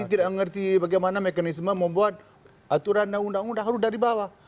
tidak mengerti bagaimana mekanisme membuat aturan dan undang undang harus dari bawah